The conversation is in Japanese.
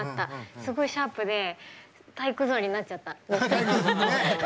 すごいシャープで体育座りになっちゃった。